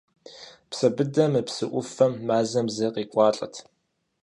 Псэбыдэ мы псы ӏуфэм мазэм зэ къекӏуалӏэт.